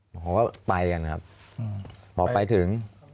ผมก็ไปกันครับพอไปถึง